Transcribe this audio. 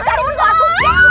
lo cari suatu panggung